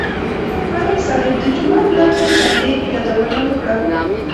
ملک صاحب د جومات نغدې چندې یادونه وکړه.